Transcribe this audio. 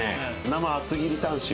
生厚切りタン塩。